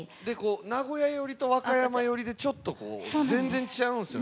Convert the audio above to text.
名古屋寄りと和歌山寄りでまた全然違うんですよ。